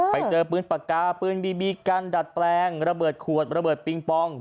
ไปเจอปืนปากกาปืนบีบีกันดัดแปลงระเบิดขวดระเบิดปิงปอง